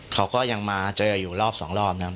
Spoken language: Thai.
เขาก็ยังมาเจออยู่รอบสองรอบนะครับ